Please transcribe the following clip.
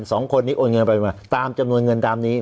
สองคนนี้โอนเงินไปมาตามจำนวนเงินตามนี้